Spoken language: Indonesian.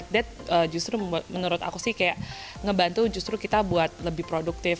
⁇ that justru menurut aku sih kayak ngebantu justru kita buat lebih produktif